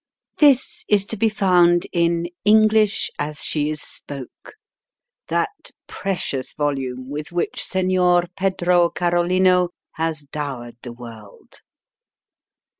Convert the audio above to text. This is to be found in " English as She is Spoke," that precious volume with which Senor Pedro Carolino has dowered the world.